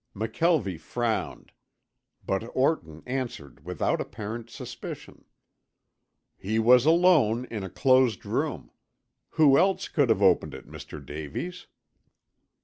McKelvie frowned, but Orton answered without apparent suspicion, "He was alone in a closed room. Who else could have opened it, Mr. Davies?"